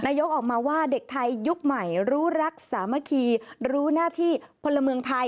ออกมาว่าเด็กไทยยุคใหม่รู้รักสามัคคีรู้หน้าที่พลเมืองไทย